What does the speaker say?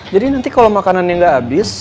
jadi nanti kalo makanannya gak abis